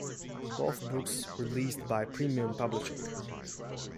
Both books released by Premium Publishing.